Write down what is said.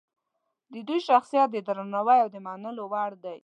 د دوی شخصیت د درناوي او منلو وړ وي.